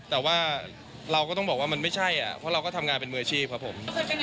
แต่ว่าเราก็ต้องบอกว่ามันไม่ใช่เพราะเราก็ทำงานเป็นมืออาชีพครับผม